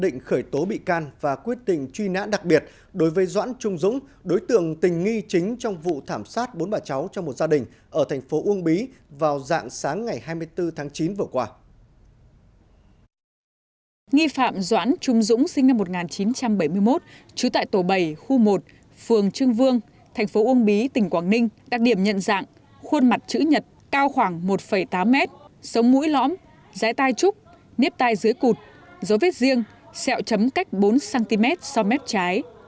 nghi phạm doãn trung dũng sinh năm một nghìn chín trăm bảy mươi một trú tại tổ bầy khu một phường trương vương thành phố uông bí tỉnh quảng ninh đặc điểm nhận dạng khuôn mặt chữ nhật cao khoảng một tám m sống mũi lõm giái tai trúc nếp tai dưới cụt dấu vết riêng sẹo chấm cách bốn cm so với mép trái